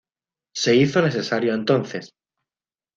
Se hizo necesario entonces.